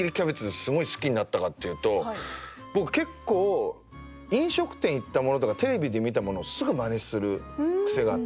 すごい好きになったかっていうと僕結構飲食店行ったものとかテレビで見たものをすぐ真似する癖があって。